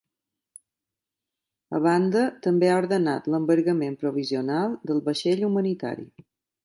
A banda, també ha ordenat l’embargament provisional del vaixell humanitari.